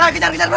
kejar kejar bro